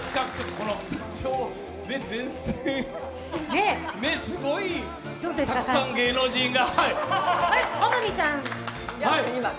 このスタジオ、たくさん芸能人が。